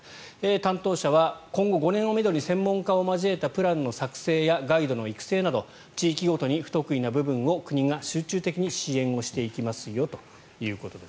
担当者は今後５年をめどに専門家を交えたプランの作成やガイドの育成など地域ごとに不得意な部分を国が集中的に支援をしていきますよということです。